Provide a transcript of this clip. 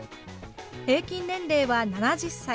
平均年齢は７０歳。